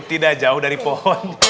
tidak jauh dari pohon